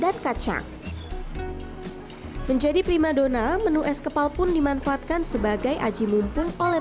dan kacang menjadi prima donna menu es kepal pun dimanfaatkan sebagai aji mumpung oleh